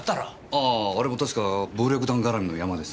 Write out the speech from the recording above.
あああれも確か暴力団絡みのヤマでしたね。